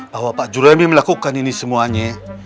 bahwa pak jurabi melakukan ini semuanya